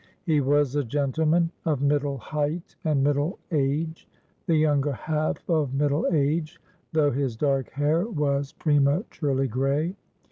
He was a gentleman of middle height and middle age,—the younger half of middle age, though his dark hair was prematurely gray.